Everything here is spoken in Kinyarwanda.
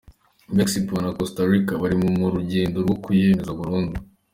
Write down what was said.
Mexico na Costa Rica bari mu rugendo rwo kuyemeza burundu.